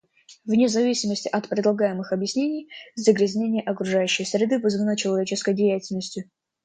Вне зависимости от предлагаемых объяснений, загрязнение окружающей среды вызвано человеческой деятельностью.